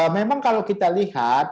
memang kalau kita lihat